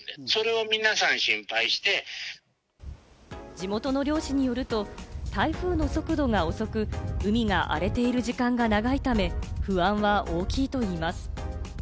地元の漁師によると、台風の速度が遅く、海が荒れている時間が長いため、不安は大きいといいます。